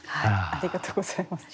ありがとうございます。